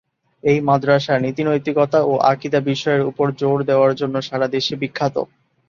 এই মাদ্রাসা নীতি-নৈতিকতা ও আকীদা বিষয়ের উপর জোর দেওয়ার জন্য সারা দেশে বিখ্যাত।